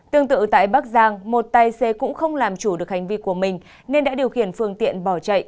tương tự tại bắc giang một tài xế cũng không làm chủ được hành vi của mình nên đã điều khiển phương tiện bỏ chạy